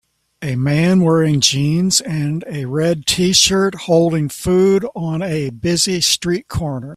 A man wearing jeans and a red tshirt holding food on a busy street corner